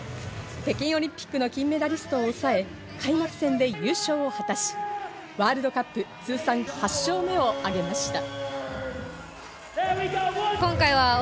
北京オリンピックの金メダリストを抑え開幕戦で優勝を果たし、ワールドカップ通算８勝目を挙げました。